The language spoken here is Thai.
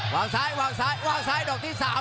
วางซ้ายวางซ้ายวางซ้ายดอกที่๓